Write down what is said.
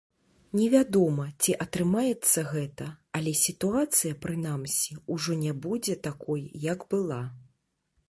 Невядома, ці атрымаецца гэта, але сітуацыя, прынамсі, ужо не будзе такой, як была.